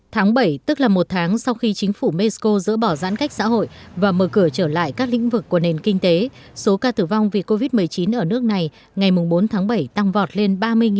tháng bảy tức là một tháng sau khi chính phủ mexico giỡn bỏ giãn cách xã hội và mở cửa trở lại các lĩnh vực của nền kinh tế số ca tử vong vì covid một mươi chín ở nước này ngày bốn tháng bảy tăng hơn